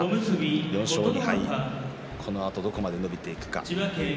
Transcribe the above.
４勝２敗、このあとどこまで伸びていくのか。